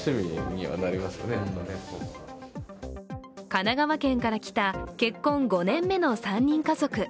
神奈川県から来た結婚５年目の３人家族。